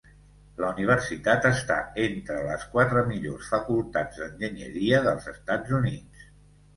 La universitat està entre les quatre millors facultats d'enginyeria dels Estats Units.